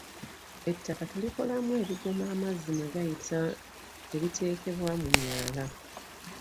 ettaka tuli kolamu ebigoma amazi mwegayita ebitekebwa mu myala